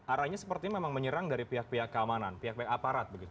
arahnya seperti memang menyerang dari pihak pihak keamanan pihak pihak aparat begitu